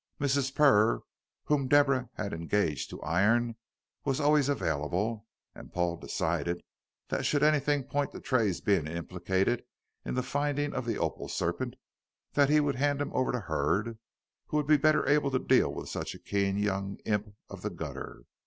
Mrs. Purr, whom Deborah had engaged to iron, was always available, and Paul decided, that should anything point to Tray's being implicated in the finding of the opal serpent, that he would hand him over to Hurd, who would be better able to deal with such a keen young imp of the gutter.